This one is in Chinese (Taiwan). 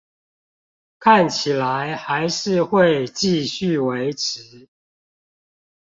看起來還是會繼續維持